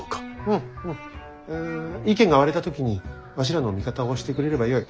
うんうんん意見が割れた時にわしらの味方をしてくれればよい。